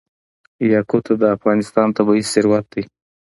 یاقوت د افغانستان طبعي ثروت دی.